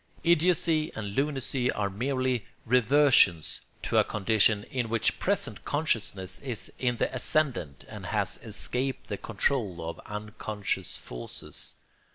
Idiocy and lunacy are merely reversions to a condition in which present consciousness is in the ascendant and has escaped the control of unconscious forces.